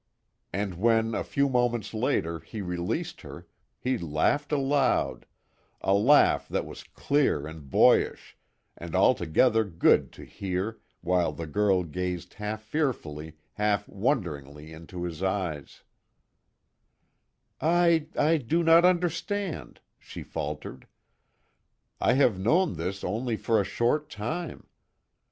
And when a few moments later, he released her, he laughed aloud a laugh that was clear and boyish, and altogether good to hear, while the girl gazed half fearfully half wonderingly into his eyes: "I I do not understand," she faltered, "I have known this only for a short time.